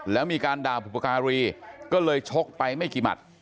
แล้วมีการด่าบุปการีก็เลยชกไปไม่กี่หมัด